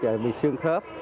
và bị sương khớp